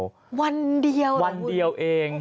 วันเดียวหรอบุญกำลังพูดโอ้โฮโฮยวันเดียวเอง